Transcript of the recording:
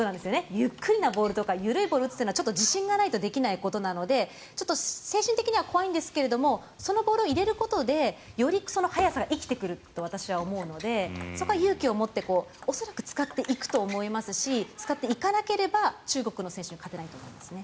ゆっくりなボールとか緩いボールを打つのは自信がないとできないことなので精神的には怖いんですけれどもそのボールを入れることでより速さが生きてくると私は思うのでそこは勇気を持って恐らく使っていくと思いますし使っていかなければ中国の選手には勝てないと思いますね。